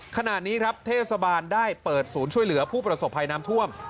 ขณะนี้ครับเทศบาลได้เปิดศูนย์ช่วยเหลือผู้ประสบภัยน้ำท่วม